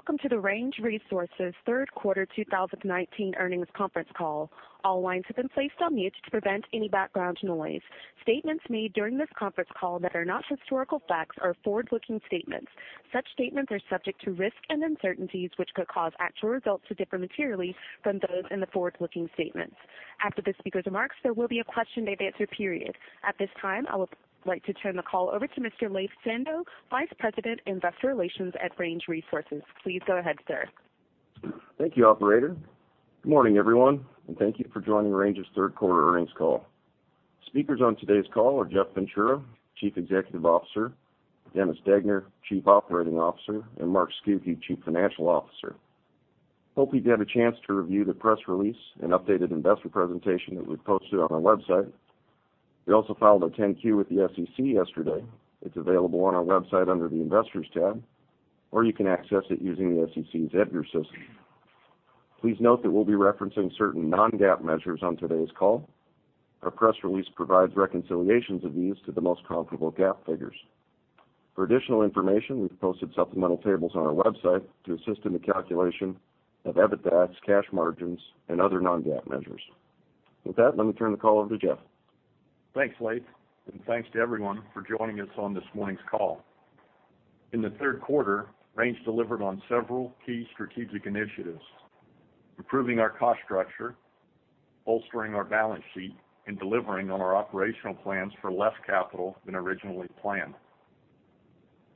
Welcome to the Range Resources third quarter 2019 earnings conference call. All lines have been placed on mute to prevent any background noise. Statements made during this conference call that are not historical facts are forward-looking statements. Such statements are subject to risk and uncertainties, which could cause actual results to differ materially from those in the forward-looking statements. After the speaker's remarks, there will be a question-and-answer period. At this time, I would like to turn the call over to Mr. Laith Sando, Vice President, Investor Relations at Range Resources. Please go ahead, sir. Thank you, operator. Good morning, everyone, and thank you for joining Range's third quarter earnings call. Speakers on today's call are Jeff Ventura, Chief Executive Officer, Dennis Degner, Chief Operating Officer, and Mark Scucchi, Chief Financial Officer. Hopefully, you had a chance to review the press release and updated investor presentation that we posted on our website. We also filed a 10-Q with the SEC yesterday. It's available on our website under the Investors tab, or you can access it using the SEC's EDGAR system. Please note that we'll be referencing certain non-GAAP measures on today's call. Our press release provides reconciliations of these to the most comparable GAAP figures. For additional information, we've posted supplemental tables on our website to assist in the calculation of EBITDA cash margins and other non-GAAP measures. With that, let me turn the call over to Jeff. Thanks, Laith, thanks to everyone for joining us on this morning's call. In the third quarter, Range delivered on several key strategic initiatives: improving our cost structure, bolstering our balance sheet, and delivering on our operational plans for less capital than originally planned.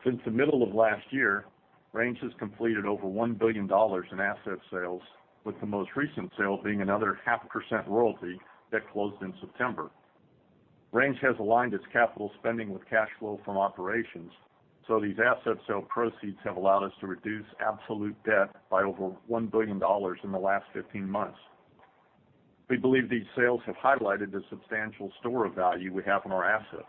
Since the middle of last year, Range has completed over $1 billion in asset sales, with the most recent sale being another half a percent royalty that closed in September. Range has aligned its capital spending with cash flow from operations, these asset sale proceeds have allowed us to reduce absolute debt by over $1 billion in the last 15 months. We believe these sales have highlighted the substantial store of value we have in our assets.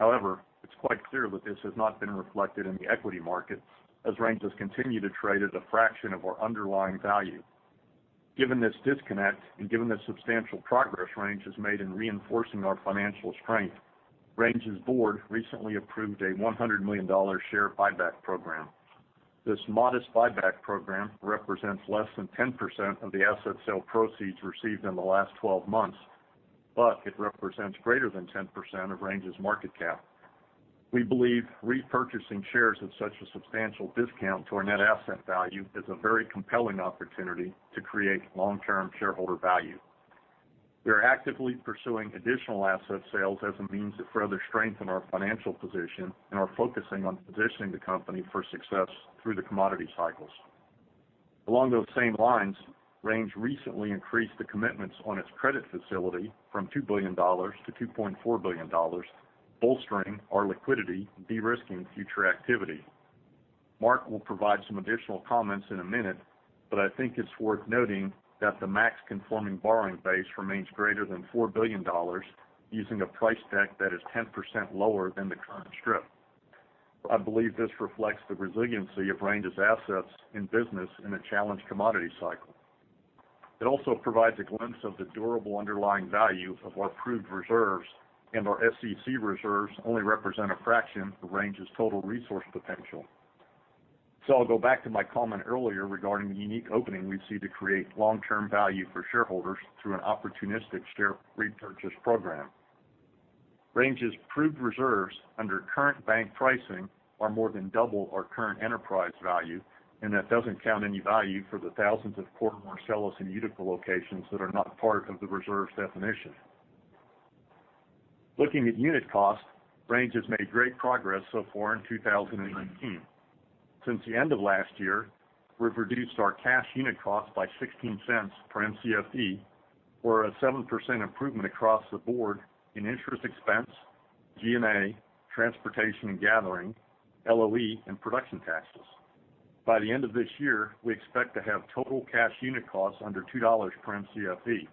It's quite clear that this has not been reflected in the equity markets, as Range has continued to trade at a fraction of our underlying value. Given this disconnect, and given the substantial progress Range has made in reinforcing our financial strength, Range's board recently approved a $100 million share buyback program. This modest buyback program represents less than 10% of the asset sale proceeds received in the last 12 months, but it represents greater than 10% of Range's market cap. We believe repurchasing shares at such a substantial discount to our net asset value is a very compelling opportunity to create long-term shareholder value. We are actively pursuing additional asset sales as a means to further strengthen our financial position and are focusing on positioning the company for success through the commodity cycles. Along those same lines, Range recently increased the commitments on its credit facility from $2 billion to $2.4 billion, bolstering our liquidity and de-risking future activity. Mark will provide some additional comments in a minute. I think it's worth noting that the max conforming borrowing base remains greater than $4 billion using a price deck that is 10% lower than the current strip. I believe this reflects the resiliency of Range's assets and business in a challenged commodity cycle. It also provides a glimpse of the durable underlying value of our proved reserves. Our SEC reserves only represent a fraction of Range's total resource potential. I'll go back to my comment earlier regarding the unique opening we see to create long-term value for shareholders through an opportunistic share repurchase program. Range's proved reserves under current bank pricing are more than double our current enterprise value. That doesn't count any value for the thousands of core Marcellus and Utica locations that are not part of the reserves definition. Looking at unit cost, Range has made great progress so far in 2019. Since the end of last year, we've reduced our cash unit cost by $0.16 per Mcfe, or a 7% improvement across the board in interest expense, G&A, transportation and gathering, LOE, and production taxes. By the end of this year, we expect to have total cash unit costs under $2 per Mcfe.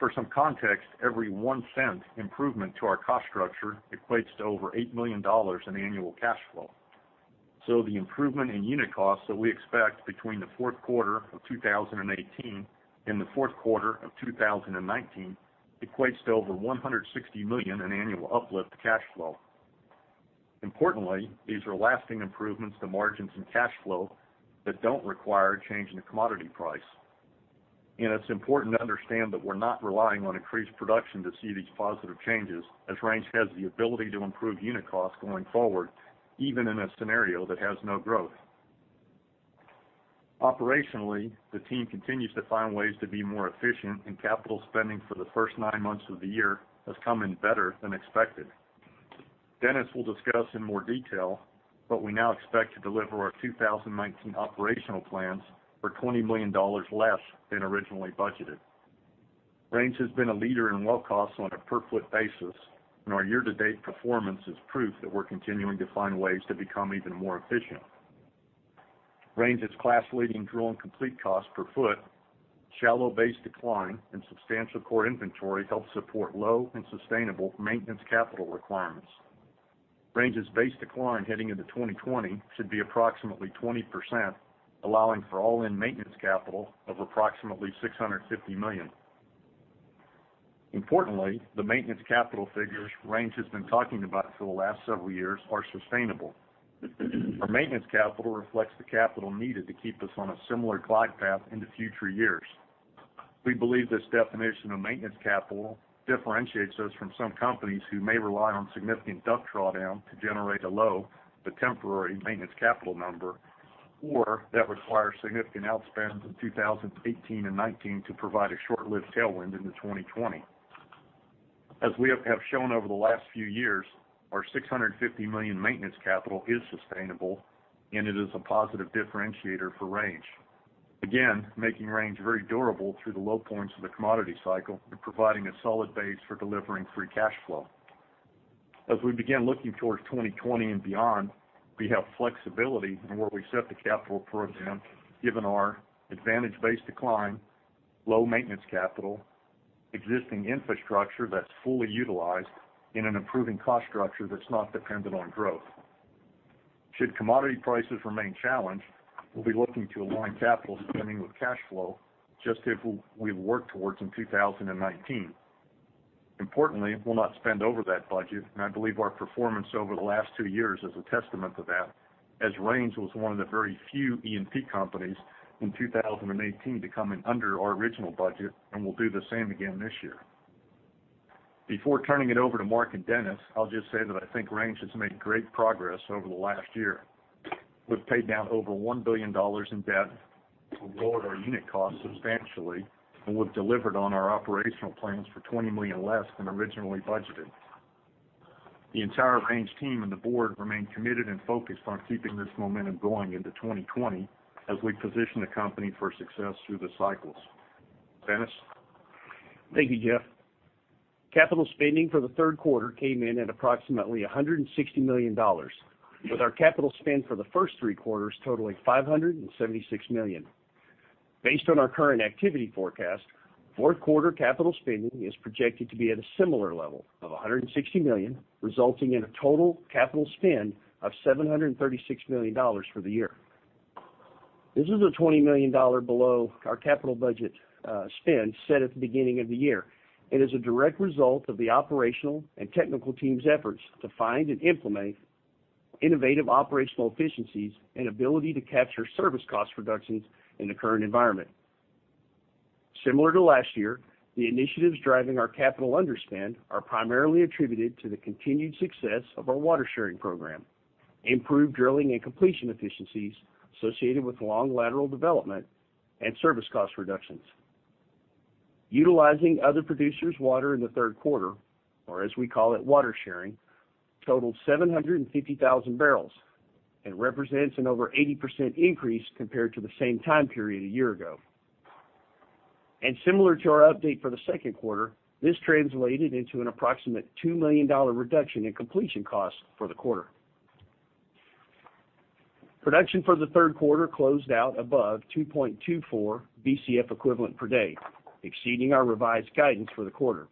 For some context, every $0.01 improvement to our cost structure equates to over $8 million in annual cash flow. The improvement in unit costs that we expect between the fourth quarter of 2018 and the fourth quarter of 2019 equates to over $160 million in annual uplift to cash flow. Importantly, these are lasting improvements to margins and cash flow that don't require a change in the commodity price. It's important to understand that we're not relying on increased production to see these positive changes, as Range has the ability to improve unit costs going forward, even in a scenario that has no growth. Operationally, the team continues to find ways to be more efficient, and capital spending for the first nine months of the year has come in better than expected. Dennis will discuss in more detail, we now expect to deliver our 2019 operational plans for $20 million less than originally budgeted. Range has been a leader in well costs on a per-foot basis, our year-to-date performance is proof that we're continuing to find ways to become even more efficient. Range's class-leading drill and complete cost per foot, shallow base decline, and substantial core inventory help support low and sustainable maintenance capital requirements. Range's base decline heading into 2020 should be approximately 20%, allowing for all-in maintenance capital of approximately $650 million. Importantly, the maintenance capital figures Range has been talking about for the last several years are sustainable. Our maintenance capital reflects the capital needed to keep us on a similar glide path into future years. We believe this definition of maintenance capital differentiates us from some companies who may rely on significant debt drawdown to generate a low, but temporary maintenance capital number, or that require significant outspend in 2018 and 2019 to provide a short-lived tailwind into 2020. As we have shown over the last few years, our $650 million maintenance capital is sustainable, and it is a positive differentiator for Range. Again, making Range very durable through the low points of the commodity cycle and providing a solid base for delivering free cash flow. As we begin looking towards 2020 and beyond, we have flexibility in where we set the capital program, given our advantage-based decline, low maintenance capital, existing infrastructure that's fully utilized, and an improving cost structure that's not dependent on growth. Should commodity prices remain challenged, we'll be looking to align capital spending with cash flow, just as we worked towards in 2019. Importantly, we'll not spend over that budget, and I believe our performance over the last two years is a testament to that, as Range was one of the very few E&P companies in 2018 to come in under our original budget, and will do the same again this year. Before turning it over to Mark and Dennis, I'll just say that I think Range has made great progress over the last year. We've paid down over $1 billion in debt, we've lowered our unit costs substantially, and we've delivered on our operational plans for $20 million less than originally budgeted. The entire Range team and the board remain committed and focused on keeping this momentum going into 2020 as we position the company for success through the cycles. Dennis? Thank you, Jeff. Capital spending for the third quarter came in at approximately $160 million, with our capital spend for the first three quarters totaling $576 million. Based on our current activity forecast, fourth quarter capital spending is projected to be at a similar level of $160 million, resulting in a total capital spend of $736 million for the year. This is $20 million below our capital budget spend set at the beginning of the year, and is a direct result of the operational and technical teams' efforts to find and implement innovative operational efficiencies and ability to capture service cost reductions in the current environment. Similar to last year, the initiatives driving our capital underspend are primarily attributed to the continued success of our water sharing program, improved drilling and completion efficiencies associated with long lateral development, and service cost reductions. Utilizing other producers' water in the third quarter, or as we call it, water sharing, totaled 750,000 barrels and represents an over 80% increase compared to the same time period a year ago. Similar to our update for the second quarter, this translated into an approximate $2 million reduction in completion costs for the quarter. Production for the third quarter closed out above 2.24 Bcf equivalent per day, exceeding our revised guidance for the quarter.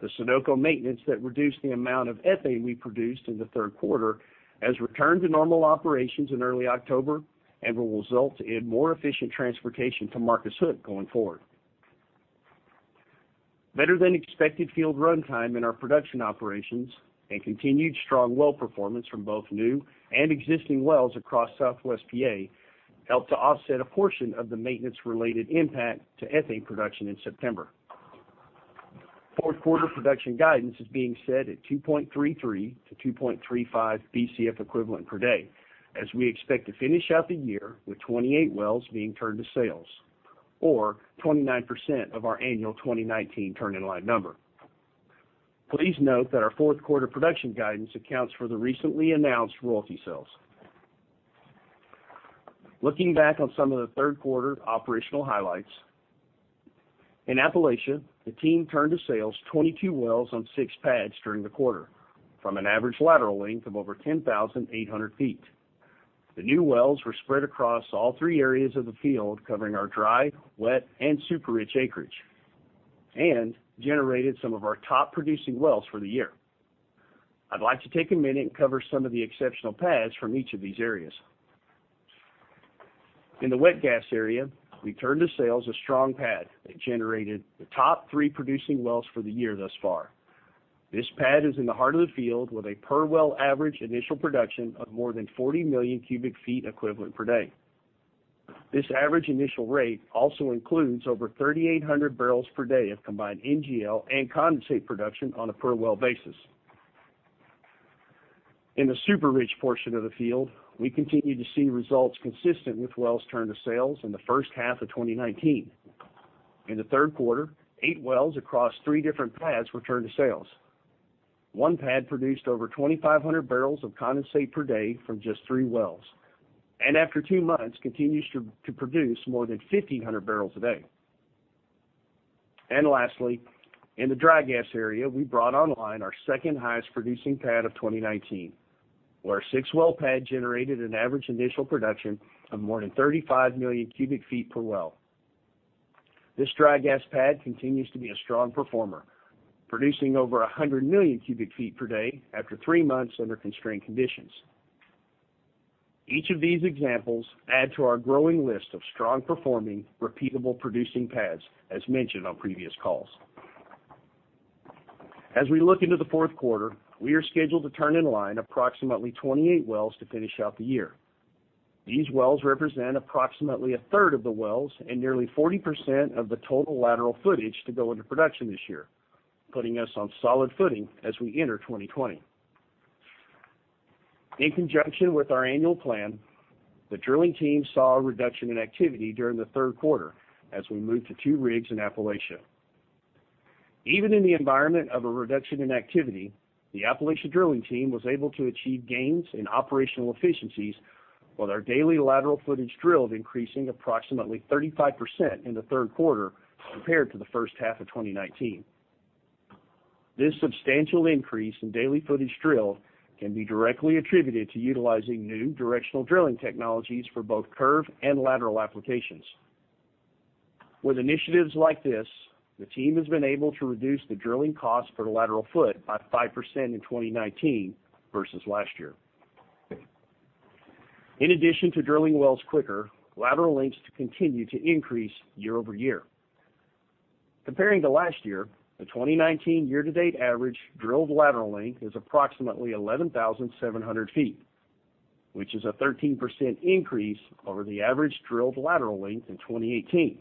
The Sunoco maintenance that reduced the amount of ethane we produced in the third quarter has returned to normal operations in early October and will result in more efficient transportation to Marcus Hook going forward. Better than expected field runtime in our production operations and continued strong well performance from both new and existing wells across Southwest P.A. helped to offset a portion of the maintenance-related impact to ethane production in September. Fourth quarter production guidance is being set at 2.33 to 2.35 Bcf equivalent per day, as we expect to finish out the year with 28 wells being turned to sales, or 29% of our annual 2019 turn-in-line number. Please note that our fourth quarter production guidance accounts for the recently announced royalty sales. Looking back on some of the third quarter operational highlights. In Appalachia, the team turned to sales 22 wells on six pads during the quarter, from an average lateral length of over 10,800 feet. The new wells were spread across all three areas of the field, covering our dry, wet, and super rich acreage, and generated some of our top producing wells for the year. I'd like to take a minute and cover some of the exceptional pads from each of these areas. In the wet gas area, we turned to sales a strong pad that generated the top three producing wells for the year thus far. This pad is in the heart of the field with a per well average initial production of more than 40 million cubic feet equivalent per day. This average initial rate also includes over 3,800 barrels per day of combined NGL and condensate production on a per well basis. In the super rich portion of the field, we continue to see results consistent with wells turned to sales in the first half of 2019. In the third quarter, eight wells across three different pads were turned to sales. One pad produced over 2,500 barrels of condensate per day from just three wells, and after two months, continues to produce more than 1,500 barrels a day. Lastly, in the dry gas area, we brought online our second highest producing pad of 2019, where a six-well pad generated an average initial production of more than 35 million cubic feet per well. This dry gas pad continues to be a strong performer, producing over 100 million cubic feet per day after three months under constrained conditions. Each of these examples add to our growing list of strong performing repeatable producing pads, as mentioned on previous calls. We look into the fourth quarter, we are scheduled to turn in line approximately 28 wells to finish out the year. These wells represent approximately a third of the wells and nearly 40% of the total lateral footage to go into production this year, putting us on solid footing as we enter 2020. In conjunction with our annual plan, the drilling team saw a reduction in activity during the third quarter as we moved to two rigs in Appalachia. Even in the environment of a reduction in activity, the Appalachia drilling team was able to achieve gains in operational efficiencies, with our daily lateral footage drilled increasing approximately 35% in the third quarter compared to the first half of 2019. This substantial increase in daily footage drilled can be directly attributed to utilizing new directional drilling technologies for both curve and lateral applications. With initiatives like this, the team has been able to reduce the drilling cost per lateral foot by 5% in 2019 versus last year. In addition to drilling wells quicker, lateral lengths continue to increase year-over-year. Comparing to last year, the 2019 year-to-date average drilled lateral length is approximately 11,700 feet, which is a 13% increase over the average drilled lateral length in 2018.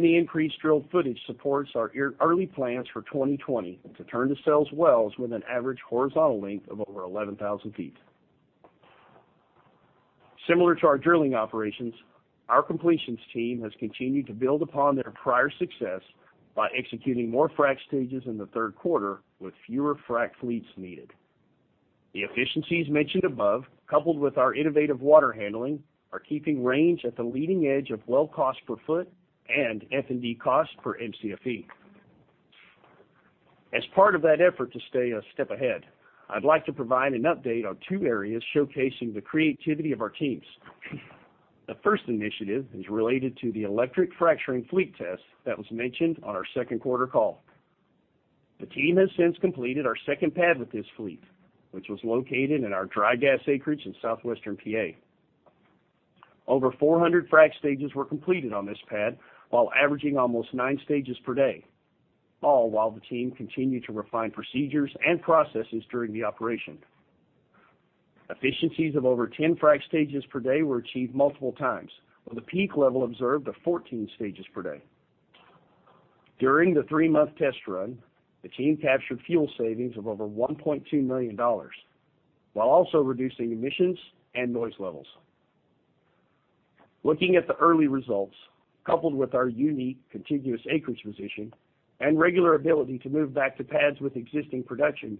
The increased drilled footage supports our early plans for 2020 to turn to sales wells with an average horizontal length of over 11,000 feet. Similar to our drilling operations, our completions team has continued to build upon their prior success by executing more frack stages in the third quarter with fewer frack fleets needed. The efficiencies mentioned above, coupled with our innovative water handling, are keeping Range at the leading edge of well cost per foot and F&D cost per Mcfe. As part of that effort to stay a step ahead, I'd like to provide an update on two areas showcasing the creativity of our teams. The first initiative is related to the Electric Fracturing Fleet Test that was mentioned on our second quarter call. The team has since completed our second pad with this fleet, which was located in our dry gas acreage in southwestern PA. Over 400 frack stages were completed on this pad while averaging almost 9 stages per day, all while the team continued to refine procedures and processes during the operation. Efficiencies of over 10 frack stages per day were achieved multiple times, with a peak level observed of 14 stages per day. During the three-month test run, the team captured fuel savings of over $1.2 million, while also reducing emissions and noise levels. Looking at the early results, coupled with our unique contiguous acreage position and regular ability to move back to pads with existing production,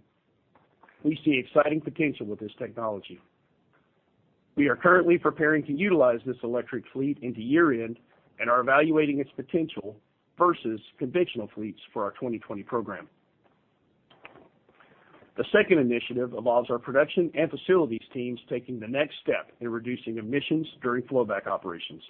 we see exciting potential with this technology. We are currently preparing to utilize this electric fleet into year-end and are evaluating its potential versus conventional fleets for our 2020 Program. The second initiative involves our production and facilities teams taking the next step in reducing emissions during flow back operations.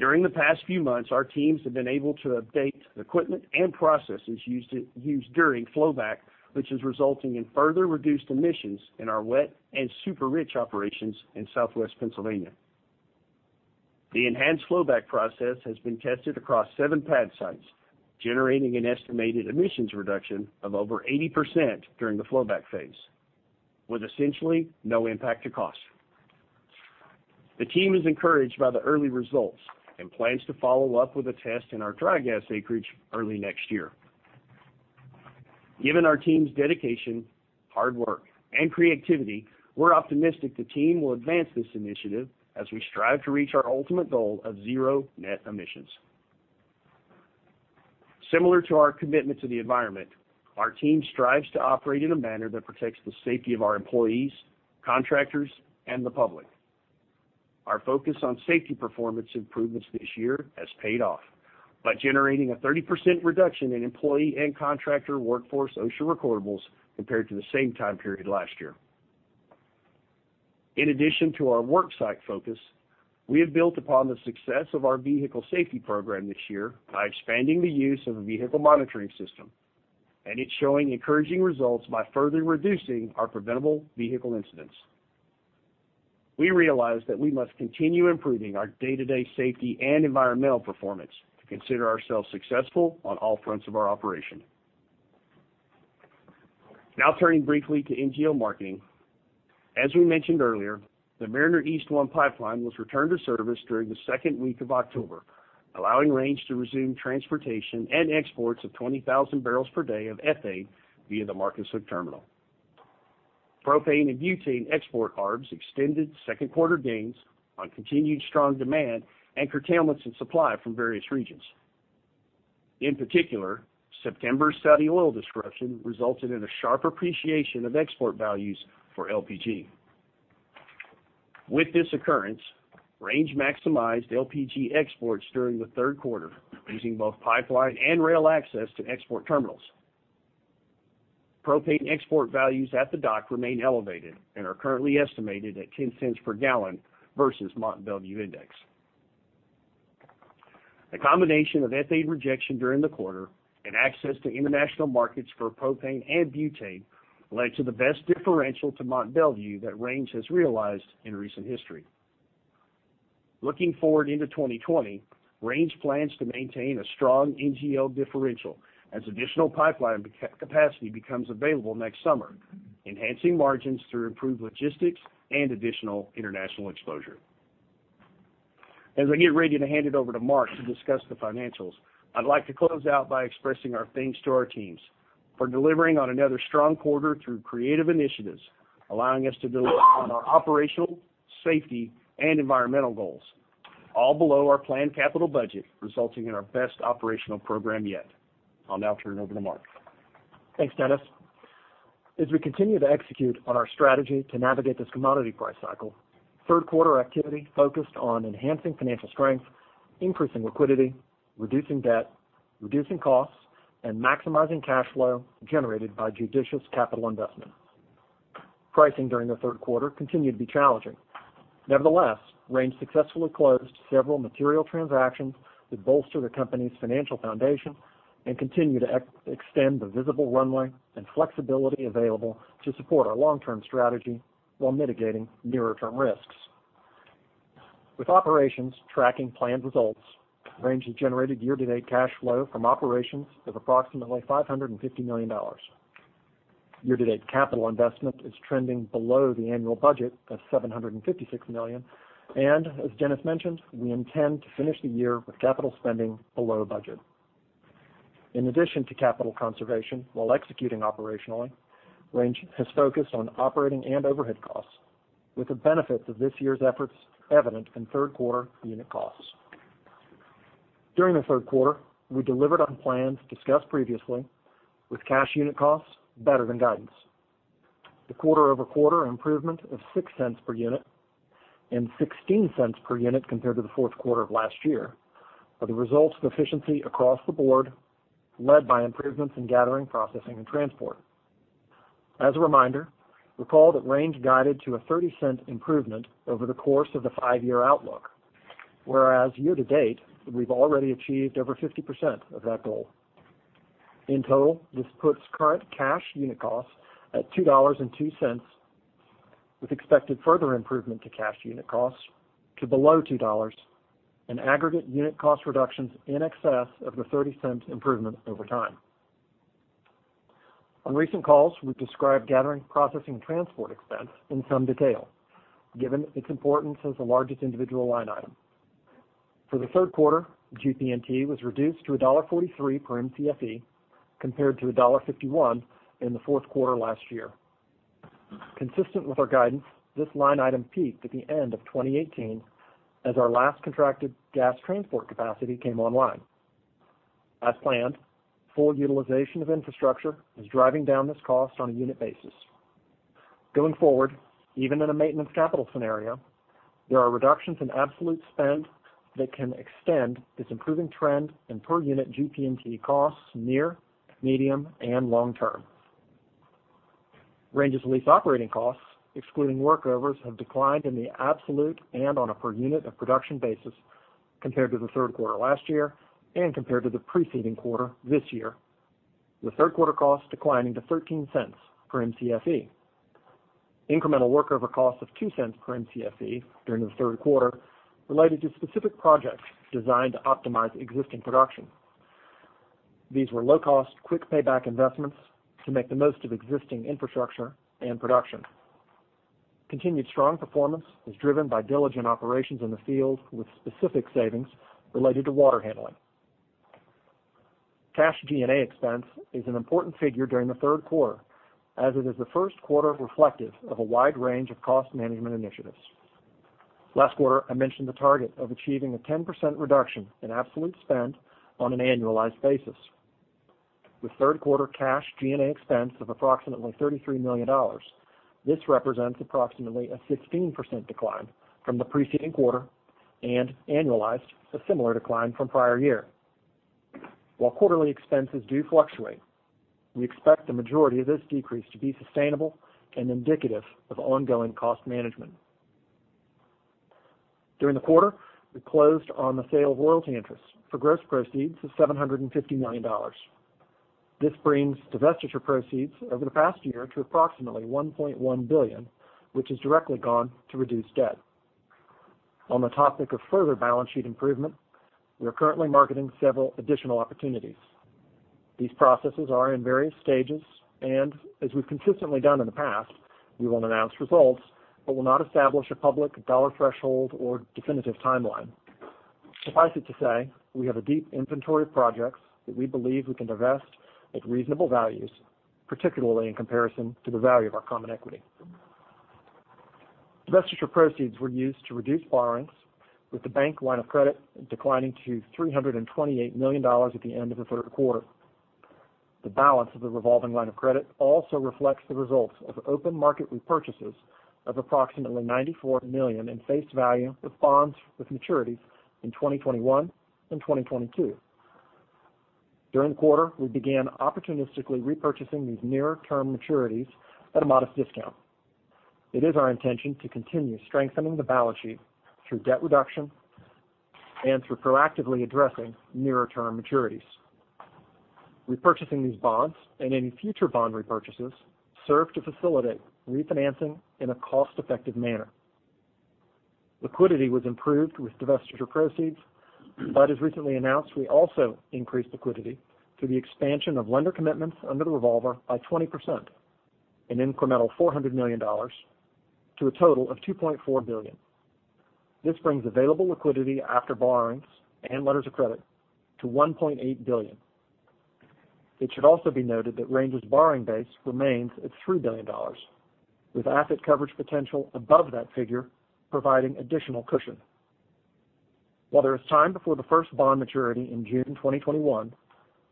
During the past few months, our teams have been able to update the equipment and processes used during flow back, which is resulting in further reduced emissions in our wet and super rich operations in southwest Pennsylvania. The enhanced flow back process has been tested across 7 pad sites, generating an estimated emissions reduction of over 80% during the flow back phase, with essentially no impact to cost. The team is encouraged by the early results and plans to follow up with a test in our dry gas acreage early next year. Given our team's dedication, hard work, and creativity, we're optimistic the team will advance this initiative as we strive to reach our ultimate goal of zero net emissions. Similar to our commitment to the environment, our team strives to operate in a manner that protects the safety of our employees, contractors, and the public. Our focus on safety performance improvements this year has paid off by generating a 30% reduction in employee and contractor workforce OSHA recordables compared to the same time period last year. In addition to our work site focus, we have built upon the success of our vehicle safety program this year by expanding the use of a vehicle monitoring system, and it's showing encouraging results by further reducing our preventable vehicle incidents. We realize that we must continue improving our day-to-day safety and environmental performance to consider ourselves successful on all fronts of our operation. Turning briefly to NGL Marketing. As we mentioned earlier, the Mariner East 1 pipeline was returned to service during the second week of October, allowing Range to resume transportation and exports of 20,000 barrels per day of ethane via the Marcus Hook Terminal. Propane and butane export Arbs extended second quarter gains on continued strong demand and curtailments in supply from various regions. In particular, September's Saudi oil disruption resulted in a sharp appreciation of export values for LPG. With this occurrence, Range maximized LPG exports during the third quarter, using both pipeline and rail access to export terminals. Propane export values at the dock remain elevated and are currently estimated at $0.10 per gallon versus Mont Belvieu index. The combination of ethane rejection during the quarter and access to international markets for propane and butane led to the best differential to Mont Belvieu that Range has realized in recent history. Looking forward into 2020, Range plans to maintain a strong NGL differential as additional pipeline capacity becomes available next summer, enhancing margins through improved logistics and additional international exposure. As I get ready to hand it over to Mark to discuss the financials, I'd like to close out by expressing our thanks to our teams for delivering on another strong quarter through creative initiatives, allowing us to deliver on our operational, safety, and environmental goals, all below our planned capital budget, resulting in our best operational program yet. I'll now turn it over to Mark. Thanks, Dennis. As we continue to execute on our strategy to navigate this commodity price cycle, third quarter activity focused on enhancing financial strength, increasing liquidity, reducing debt, reducing costs, and maximizing cash flow generated by judicious capital investment. Pricing during the third quarter continued to be challenging. Nevertheless, Range successfully closed several material transactions that bolster the company's financial foundation and continue to extend the visible runway and flexibility available to support our long-term strategy while mitigating nearer-term risks. With operations tracking planned results, Range has generated year-to-date cash flow from operations of approximately $550 million. Year-to-date capital investment is trending below the annual budget of $756 million, and as Dennis mentioned, we intend to finish the year with capital spending below budget. In addition to capital conservation while executing operationally, Range has focused on operating and overhead costs with the benefits of this year's efforts evident in third quarter unit costs. During the third quarter, we delivered on plans discussed previously with cash unit costs better than guidance. The quarter-over-quarter improvement of $0.06 per unit and $0.16 per unit compared to the fourth quarter of last year are the results of efficiency across the board, led by improvements in gathering, processing, and transport. As a reminder, recall that Range guided to a $0.30 improvement over the course of the five-year outlook, whereas year-to-date, we've already achieved over 50% of that goal. In total, this puts current cash unit costs at $2.02 with expected further improvement to cash unit costs to below $2 and aggregate unit cost reductions in excess of the $0.30 improvement over time. On recent calls, we've described gathering, processing, and transport expense in some detail, given its importance as the largest individual line item. For the third quarter, GPNT was reduced to $1.43 per Mcfe compared to $1.51 in the fourth quarter last year. Consistent with our guidance, this line item peaked at the end of 2018 as our last contracted gas transport capacity came online. As planned, full utilization of infrastructure is driving down this cost on a unit basis. Going forward, even in a maintenance capital scenario, there are reductions in absolute spend that can extend this improving trend in per unit GPNT costs near, medium, and long term. Range's lease operating costs, excluding workovers, have declined in the absolute and on a per unit of production basis compared to the third quarter last year and compared to the preceding quarter this year, with third quarter costs declining to $0.13 per Mcfe. Incremental workover costs of $0.02 per Mcfe during the third quarter related to specific projects designed to optimize existing production. These were low-cost, quick payback investments to make the most of existing infrastructure and production. Continued strong performance is driven by diligent operations in the field with specific savings related to water handling. Cash G&A expense is an important figure during the third quarter, as it is the first quarter reflective of a wide range of cost management initiatives. Last quarter, I mentioned the target of achieving a 10% reduction in absolute spend on an annualized basis. With third quarter cash G&A expense of approximately $33 million, this represents approximately a 16% decline from the preceding quarter and annualized a similar decline from prior year. While quarterly expenses do fluctuate, we expect the majority of this decrease to be sustainable and indicative of ongoing cost management. During the quarter, we closed on the sale of royalty interests for gross proceeds of $750 million. This brings divestiture proceeds over the past year to approximately $1.1 billion, which has directly gone to reduce debt. On the topic of further balance sheet improvement, we are currently marketing several additional opportunities. These processes are in various stages, and as we've consistently done in the past, we will announce results but will not establish a public dollar threshold or definitive timeline. Suffice it to say, we have a deep inventory of projects that we believe we can divest at reasonable values, particularly in comparison to the value of our common equity. Divestiture proceeds were used to reduce borrowings with the bank line of credit declining to $328 million at the end of the third quarter. The balance of the revolving line of credit also reflects the results of open market repurchases of approximately $94 million in face value with bonds with maturities in 2021 and 2022. During the quarter, we began opportunistically repurchasing these nearer term maturities at a modest discount. It is our intention to continue strengthening the balance sheet through debt reduction and through proactively addressing nearer term maturities. Repurchasing these bonds and any future bond repurchases serve to facilitate refinancing in a cost-effective manner. Liquidity was improved with divestiture proceeds, but as recently announced, we also increased liquidity through the expansion of lender commitments under the revolver by 20%, an incremental $400 million to a total of $2.4 billion. This brings available liquidity after borrowings and letters of credit to $1.8 billion. It should also be noted that Range's borrowing base remains at $3 billion, with asset coverage potential above that figure, providing additional cushion. While there is time before the first bond maturity in June 2021,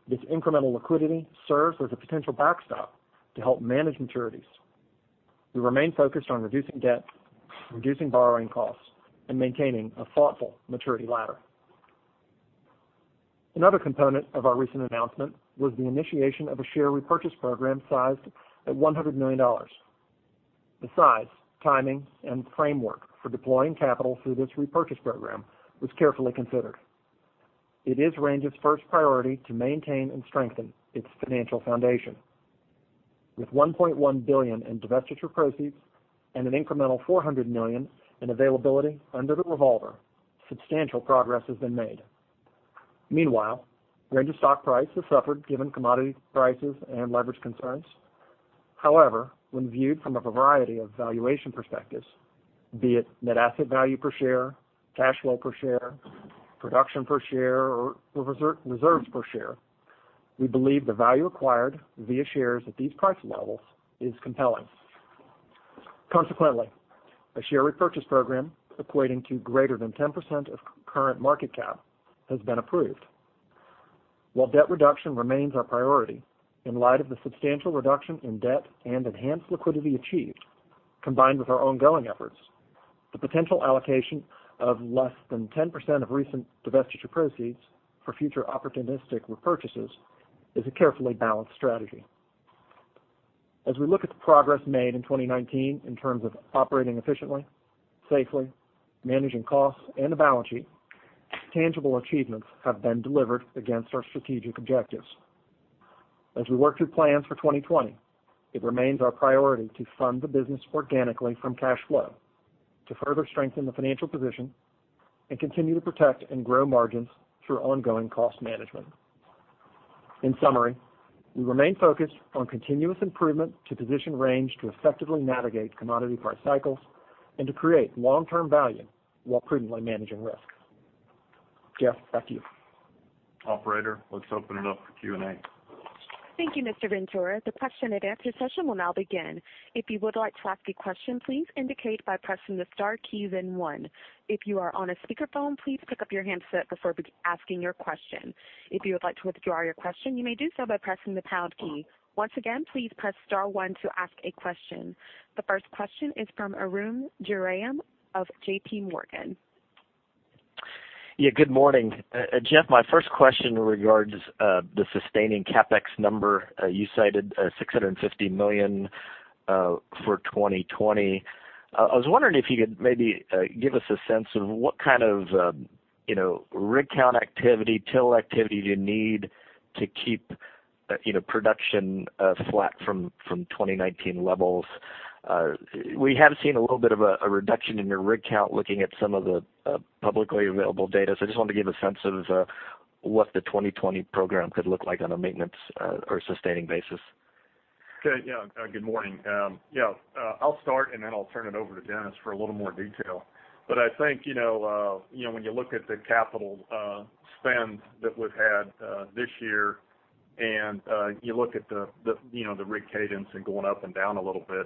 this incremental liquidity serves as a potential backstop to help manage maturities. We remain focused on reducing debt, reducing borrowing costs, and maintaining a thoughtful maturity ladder. Another component of our recent announcement was the initiation of a share repurchase program sized at $100 million. The size, timing, and framework for deploying capital through this repurchase program was carefully considered. It is Range's first priority to maintain and strengthen its financial foundation. With $1.1 billion in divestiture proceeds and an incremental $400 million in availability under the revolver, substantial progress has been made. Meanwhile, Range's stock price has suffered given commodity prices and leverage concerns. However, when viewed from a variety of valuation perspectives, be it net asset value per share, cash flow per share, production per share or reserves per share, we believe the value acquired via shares at these price levels is compelling. Consequently, a share repurchase program equating to greater than 10% of current market cap has been approved. While debt reduction remains our priority, in light of the substantial reduction in debt and enhanced liquidity achieved, combined with our ongoing efforts, the potential allocation of less than 10% of recent divestiture proceeds for future opportunistic repurchases is a carefully balanced strategy. As we look at the progress made in 2019 in terms of operating efficiently, safely, managing costs and the balance sheet, tangible achievements have been delivered against our strategic objectives. As we work through plans for 2020, it remains our priority to fund the business organically from cash flow to further strengthen the financial position and continue to protect and grow margins through ongoing cost management. In summary, we remain focused on continuous improvement to position Range to effectively navigate commodity price cycles and to create long-term value while prudently managing risk. Jeff, back to you. Operator, let's open it up for Q&A. Thank you, Mr. Ventura. The question-and-answer session will now begin. If you would like to ask a question, please indicate by pressing the star key, then one. If you are on a speakerphone, please pick up your handset before asking your question. If you would like to withdraw your question, you may do so by pressing the pound key. Once again, please press star one to ask a question. The first question is from Arun Jayaram of JPMorgan. Good morning. Jeff, my first question regards the sustaining CapEx number. You cited $650 million for 2020. I was wondering if you could maybe give us a sense of what kind of rig count activity, till activity do you need to keep production flat from 2019 levels? We have seen a little bit of a reduction in your rig count, looking at some of the publicly available data. I just wanted to give a sense of what the 2020 program could look like on a maintenance or sustaining basis. Okay. Yeah. Good morning. Yeah. I'll start, and then I'll turn it over to Dennis for a little more detail. I think, when you look at the capital spend that we've had this year and you look at the rig cadence and going up and down a little bit,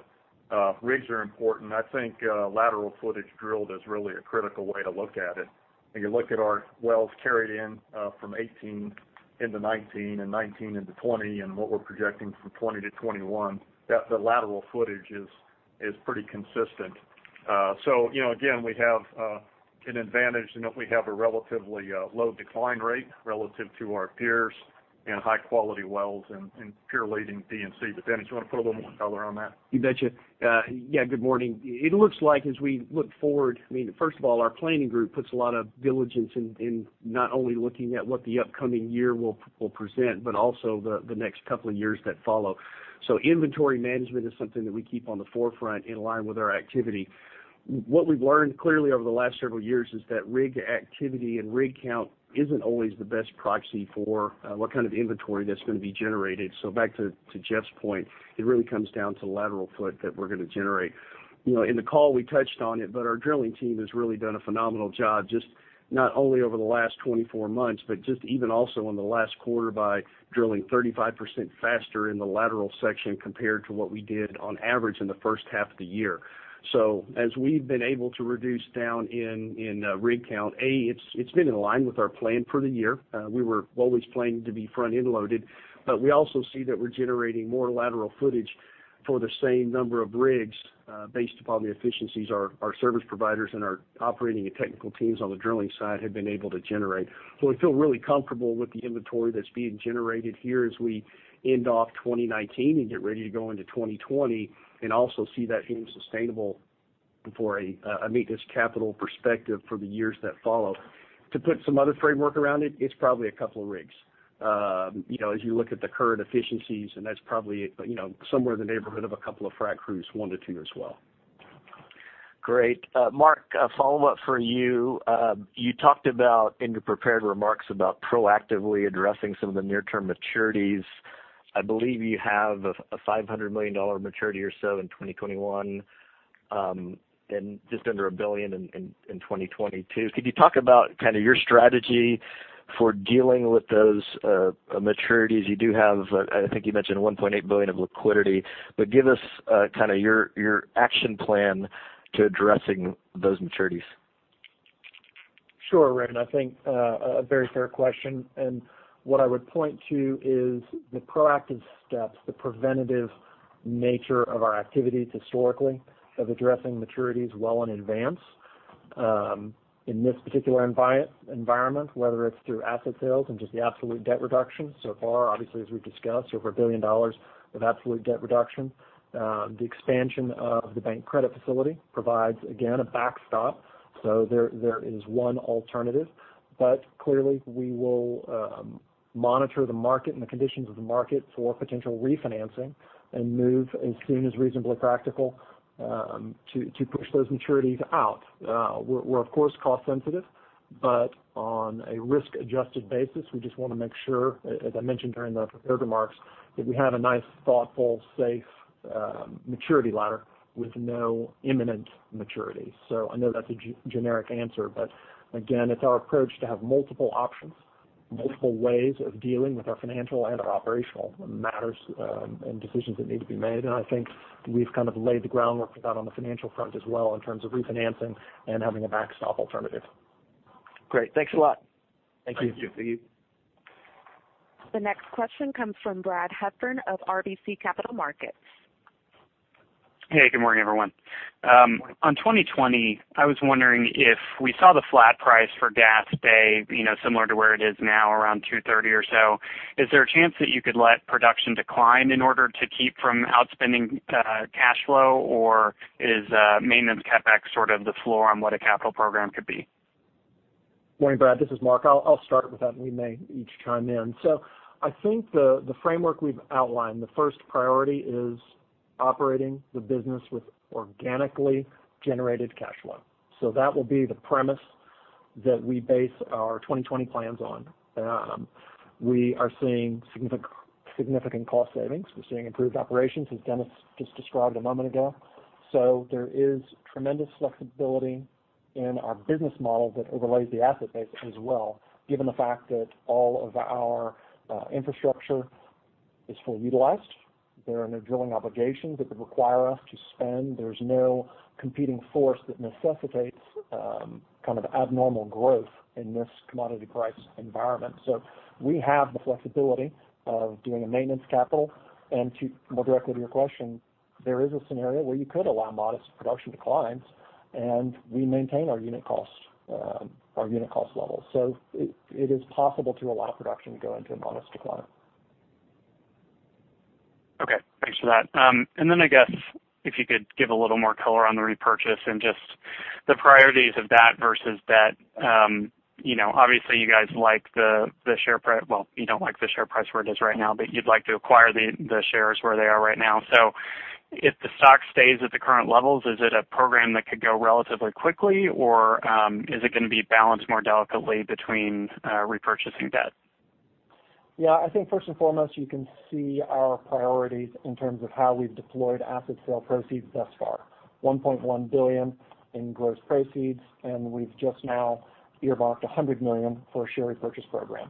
rigs are important. I think lateral footage drilled is really a critical way to look at it. When you look at our wells carried in from 2018 into 2019, and 2019 into 2020, and what we're projecting from 2020 to 2021, the lateral footage is pretty consistent. Again, we have an advantage in that we have a relatively low decline rate relative to our peers in high-quality wells and peer-leading D&C. Dennis, you want to put a little more color on that? You betcha. Yeah, good morning. It looks like as we look forward, first of all, our planning group puts a lot of diligence in not only looking at what the upcoming year will present, but also the next couple of years that follow. Inventory management is something that we keep on the forefront in line with our activity. What we've learned clearly over the last several years is that rig activity and rig count isn't always the best proxy for what kind of inventory that's going to be generated. Back to Jeff's point, it really comes down to lateral foot that we're going to generate. In the call, we touched on it, but our drilling team has really done a phenomenal job, just not only over the last 24 months, but just even also in the last quarter by drilling 35% faster in the lateral section compared to what we did on average in the first half of the year. As we've been able to reduce down in rig count, A, it's been in line with our plan for the year. We were always planning to be front-end loaded, but we also see that we're generating more lateral footage For the same number of rigs, based upon the efficiencies our service providers and our operating and technical teams on the drilling side have been able to generate. We feel really comfortable with the inventory that's being generated here as we end off 2019 and get ready to go into 2020, and also see that being sustainable for a maintenance capital perspective for the years that follow. To put some other framework around it's probably a couple of rigs. As you look at the current efficiencies, and that's probably somewhere in the neighborhood of a couple of frac crews, one to two as well. Great. Mark, a follow-up for you. You talked about, in your prepared remarks, about proactively addressing some of the near-term maturities. I believe you have a $500 million maturity or so in 2021, and just under $1 billion in 2022. Could you talk about your strategy for dealing with those maturities? You do have, I think you mentioned $1.8 billion of liquidity, but give us your action plan to addressing those maturities. Sure, Arun. I think a very fair question, and what I would point to is the proactive steps, the preventative nature of our activities historically, of addressing maturities well in advance. In this particular environment, whether it's through asset sales and just the absolute debt reduction. So far, obviously, as we've discussed, over $1 billion of absolute debt reduction. The expansion of the bank credit facility provides, again, a backstop. There is one alternative. Clearly we will monitor the market and the conditions of the market for potential refinancing and move as soon as reasonably practical, to push those maturities out. We're of course cost sensitive, but on a risk-adjusted basis, we just want to make sure, as I mentioned during the prepared remarks, that we have a nice, thoughtful, safe maturity ladder with no imminent maturity. I know that's a generic answer, but again, it's our approach to have multiple options, multiple ways of dealing with our financial and our operational matters, and decisions that need to be made. I think we've laid the groundwork for that on the financial front as well in terms of refinancing and having a backstop alternative. Great. Thanks a lot. Thank you. Thank you. The next question comes from Brad Heffern of RBC Capital Markets. Hey, good morning, everyone. Good morning. 2020, I was wondering if we saw the flat price for gas stay similar to where it is now, around $2.30 or so, is there a chance that you could let production decline in order to keep from outspending cash flow, or is maintenance CapEx sort of the floor on what a capital program could be? Morning, Brad. This is Mark. I'll start with that, and we may each chime in. I think the framework we've outlined, the first priority is operating the business with organically generated cash flow. That will be the premise that we base our 2020 plans on. We are seeing significant cost savings. We're seeing improved operations, as Dennis just described a moment ago. There is tremendous flexibility in our business model that overlays the asset base as well, given the fact that all of our infrastructure is fully utilized. There are no drilling obligations that would require us to spend. There's no competing force that necessitates abnormal growth in this commodity price environment. We have the flexibility of doing a maintenance capital, and to more directly to your question, there is a scenario where you could allow modest production declines, and we maintain our unit cost levels. It is possible to allow production to go into a modest decline. Okay. Thanks for that. I guess if you could give a little more color on the repurchase and just the priorities of that versus debt. Obviously you guys, well, you don't like the share price where it is right now, but you'd like to acquire the shares where they are right now. If the stock stays at the current levels, is it a program that could go relatively quickly, or is it going to be balanced more delicately between repurchase and debt? Yeah, I think first and foremost, you can see our priorities in terms of how we've deployed asset sale proceeds thus far. $1.1 billion in gross proceeds, We've just now earmarked $100 million for a share repurchase program.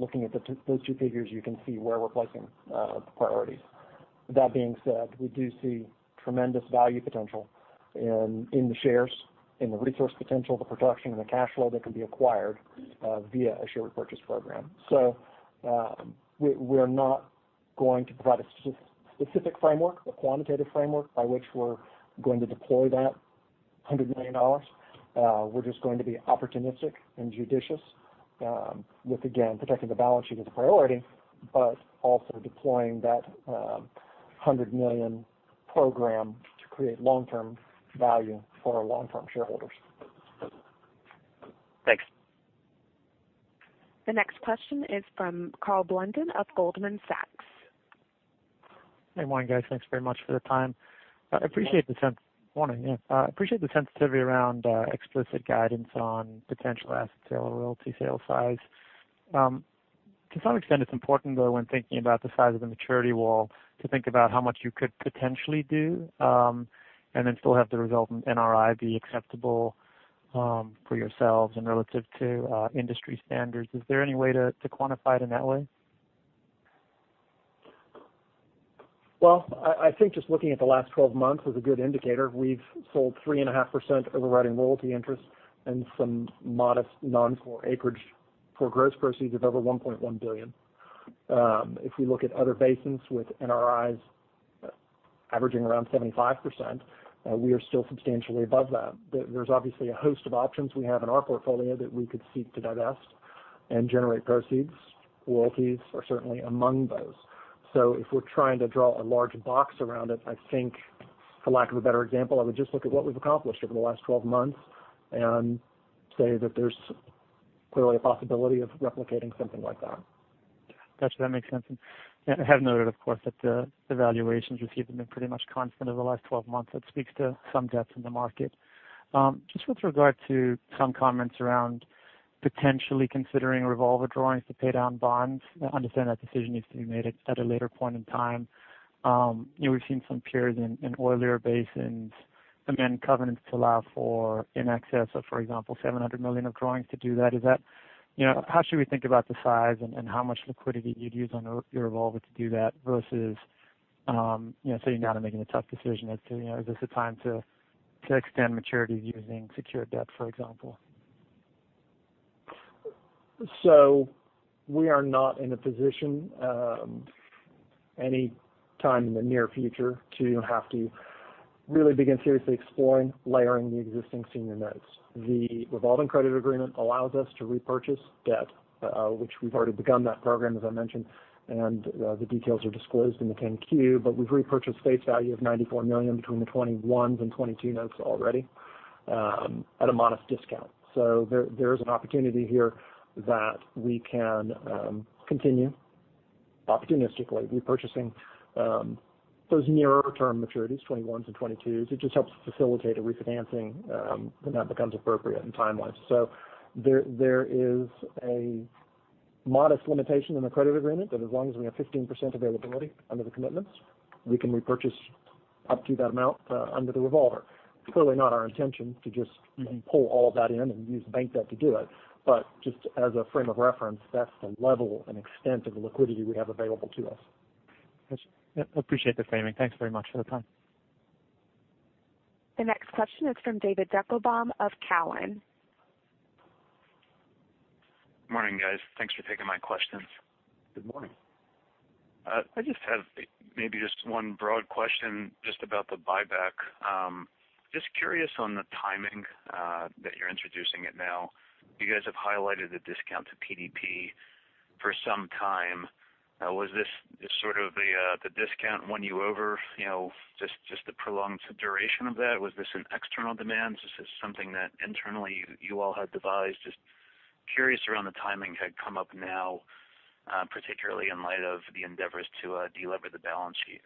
Looking at those two figures, you can see where we're placing priorities. That being said, we do see tremendous value potential in the shares, in the resource potential, the production, and the cash flow that can be acquired via a share repurchase program. We're not going to provide a specific framework, a quantitative framework by which we're going to deploy that $100 million. We're just going to be opportunistic and judicious, with, again, protecting the balance sheet as a priority, but also deploying that $100 million program to create long-term value for our long-term shareholders. Thanks. The next question is from Brian Blunden of Goldman Sachs. Hey, morning, guys. Thanks very much for the time. Morning. Morning, yeah. I appreciate the sensitivity around explicit guidance on potential asset sale or royalty sale size. To some extent, it's important, though, when thinking about the size of the maturity wall, to think about how much you could potentially do, and then still have the resultant NRI be acceptable for yourselves and relative to industry standards. Is there any way to quantify it in that way? Well, I think just looking at the last 12 months is a good indicator. We've sold 3.5% overriding royalty interest and some modest non-core acreage For gross proceeds of over $1.1 billion. If we look at other basins with NRIs averaging around 75%, we are still substantially above that. There's obviously a host of options we have in our portfolio that we could seek to divest and generate proceeds. Royalties are certainly among those. If we're trying to draw a large box around it, I think for lack of a better example, I would just look at what we've accomplished over the last 12 months and say that there's clearly a possibility of replicating something like that. Got you. That makes sense. I have noted, of course, that the valuations received have been pretty much constant over the last 12 months. That speaks to some depth in the market. Just with regard to some comments around potentially considering revolver drawings to pay down bonds, I understand that decision needs to be made at a later point in time. We've seen some peers in oilier basins amend covenants to allow for in excess of, for example, $700 million of drawings to do that. How should we think about the size and how much liquidity you'd use on your revolver to do that versus, sitting down and making a tough decision as to, is this a time to extend maturities using secured debt, for example? We are not in a position any time in the near future to have to really begin seriously exploring layering the existing senior notes. The revolving credit agreement allows us to repurchase debt, which we've already begun that program, as I mentioned, and the details are disclosed in the 10-Q. We've repurchased face value of $94 million between the '21s and '22 notes already at a modest discount. There is an opportunity here that we can continue opportunistically repurchasing those nearer-term maturities, '21s and '22s. It just helps facilitate a refinancing when that becomes appropriate and timelines. There is a modest limitation in the credit agreement that as long as we have 15% availability under the commitments, we can repurchase up to that amount under the revolver. Clearly not our intention to just pull all of that in and use bank debt to do it, but just as a frame of reference, that's the level and extent of the liquidity we have available to us. Got you. Appreciate the framing. Thanks very much for the time. The next question is from David Deckelbaum of Cowen. Morning, guys. Thanks for taking my questions. Good morning. I just have maybe just one broad question just about the buyback. Just curious on the timing that you're introducing it now. You guys have highlighted the discount to PDP for some time. Was this sort of the discount won you over, just the prolonged duration of that? Was this an external demand? Is this something that internally you all had devised? Just curious around the timing had come up now, particularly in light of the endeavors to delever the balance sheet.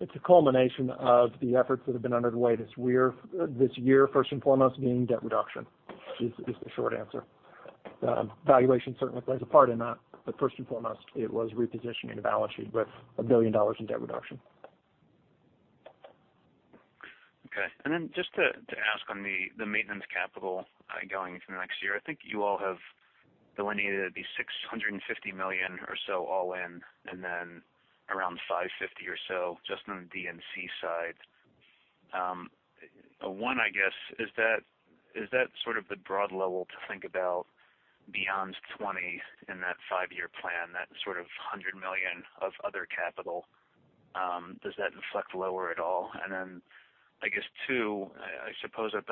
It's a culmination of the efforts that have been underway this year. First and foremost, being debt reduction is the short answer. Valuation certainly plays a part in that, but first and foremost, it was repositioning the balance sheet with $1 billion in debt reduction. Okay. Just to ask on the maintenance capital going into next year, I think you all have delineated it'd be $650 million or so all in and then around $550 million or so just on the D&C side. One, I guess, is that sort of the broad level to think about beyond 2020 in that five-year plan, that sort of $100 million of other capital, does that inflect lower at all? I guess two, I suppose that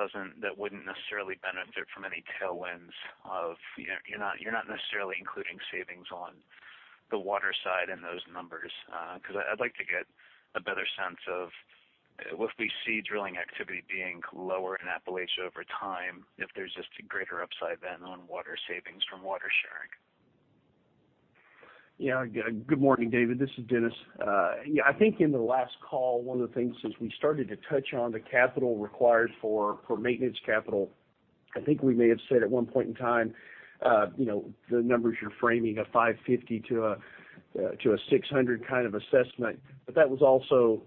wouldn't necessarily benefit from any tailwinds of you're not necessarily including savings on the water side in those numbers, because I'd like to get a better sense of if we see drilling activity being lower in Appalachia over time, if there's just a greater upside then on water savings from water sharing. Good morning, David. This is Dennis. I think in the last call, one of the things is we started to touch on the capital required for maintenance capital. I think we may have said at one point in time the numbers you're framing, a $550 million-$600 million kind of assessment. That was also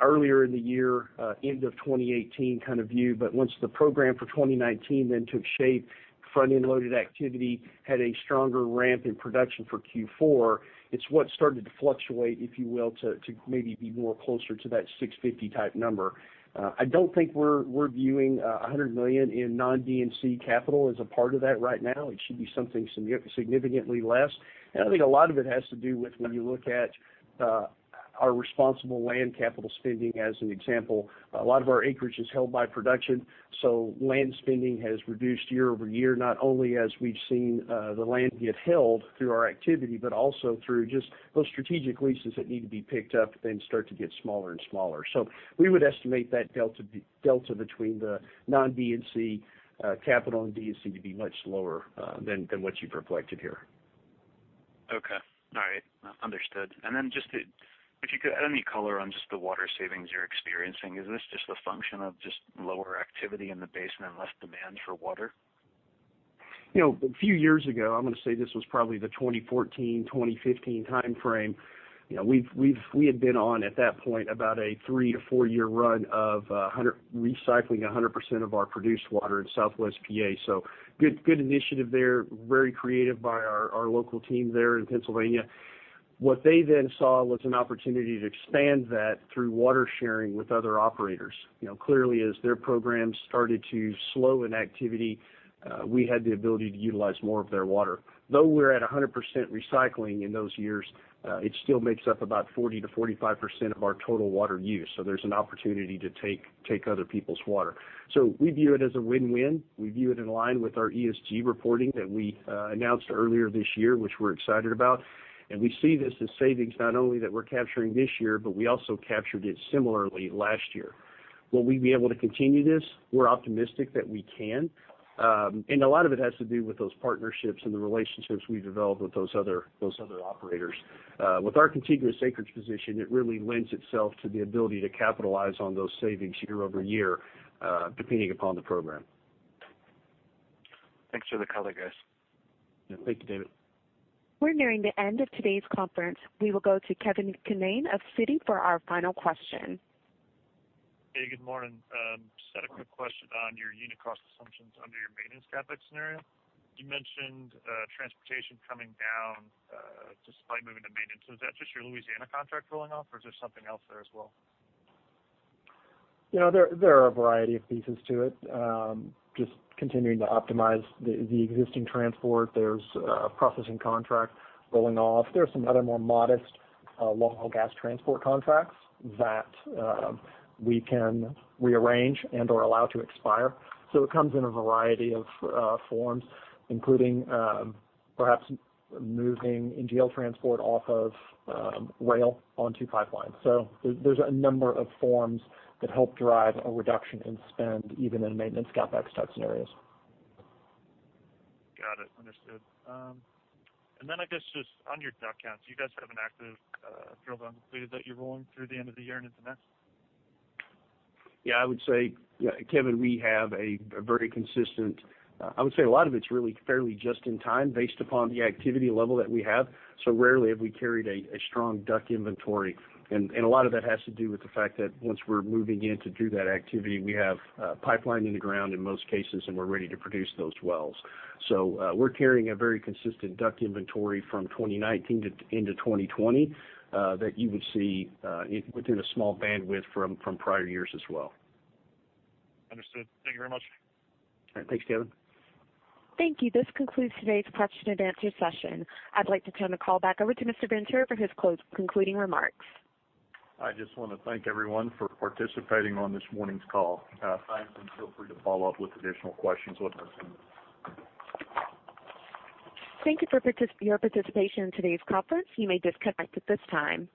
earlier in the year, end of 2018 kind of view. Once the program for 2019 took shape, front-end loaded activity had a stronger ramp in production for Q4. It's what started to fluctuate, if you will, to maybe be more closer to that $650 million type number. I don't think we're viewing $100 million in non-D&C capital as a part of that right now. It should be something significantly less. I think a lot of it has to do with when you look at our responsible land capital spending as an example. A lot of our acreage is held by production, so land spending has reduced year-over-year, not only as we've seen the land get held through our activity, but also through just those strategic leases that need to be picked up, then start to get smaller and smaller. We would estimate that delta between the non-D&C capital and D&C to be much lower than what you've reflected here. Okay. All right. Understood. Then just if you could add any color on just the water savings you're experiencing. Is this just a function of just lower activity in the basin and less demand for water? A few years ago, I'm going to say this was probably the 2014, 2015 timeframe, we had been on, at that point, about a three to four-year run of recycling 100% of our produced water in Southwest PA. Good initiative there. Very creative by our local team there in Pennsylvania. What they then saw was an opportunity to expand that through water sharing with other operators. Clearly, as their programs started to slow in activity, we had the ability to utilize more of their water. Though we're at 100% recycling in those years, it still makes up about 40% to 45% of our total water use. There's an opportunity to take other people's water. We view it as a win-win. We view it in line with our ESG reporting that we announced earlier this year, which we're excited about. We see this as savings, not only that we're capturing this year, but we also captured it similarly last year. Will we be able to continue this? We're optimistic that we can. A lot of it has to do with those partnerships and the relationships we've developed with those other operators. With our contiguous acreage position, it really lends itself to the ability to capitalize on those savings year-over-year, depending upon the program. Thanks for the color, guys. Yeah. Thank you, David. We're nearing the end of today's conference. We will go to Kevin MacCurdy of Citi for our final question. Hey, good morning. Just had a quick question on your unit cost assumptions under your maintenance CapEx scenario. You mentioned transportation coming down, just by moving to maintenance. Is that just your Louisiana contract rolling off or is there something else there as well? There are a variety of pieces to it. Just continuing to optimize the existing transport. There's a processing contract rolling off. There are some other more modest long-haul gas transport contracts that we can rearrange and/or allow to expire. It comes in a variety of forms, including perhaps moving NGL transport off of rail onto pipelines. There's a number of forms that help drive a reduction in spend, even in maintenance CapEx type scenarios. Got it. Understood. I guess just on your DUC counts, you guys have an active drill bit completed that you're rolling through the end of the year and into next? Yeah, I would say, Kevin, we have a very consistent I would say a lot of it's really fairly just in time, based upon the activity level that we have. Rarely have we carried a strong DUC inventory, and a lot of that has to do with the fact that once we're moving in to do that activity, we have pipeline in the ground in most cases, and we're ready to produce those wells. We're carrying a very consistent DUC inventory from 2019 into 2020, that you would see within a small bandwidth from prior years as well. Understood. Thank you very much. All right. Thanks, Kevin. Thank you. This concludes today's question and answer session. I'd like to turn the call back over to Mr. Ventura for his concluding remarks. I just want to thank everyone for participating on this morning's call. Thanks, and feel free to follow up with additional questions with us. Thank you for your participation in today's conference. You may disconnect at this time.